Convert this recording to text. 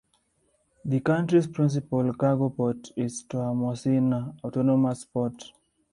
The country's principal cargo port is Toamasina Autonomous Port.